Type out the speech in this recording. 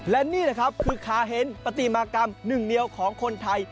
และนี่แหละครับคือคาเฮนปฏิมากรรมหนึ่งเดียวของคนไทย